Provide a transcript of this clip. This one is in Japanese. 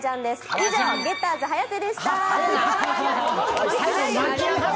以上、ゲッターズ速瀬でした！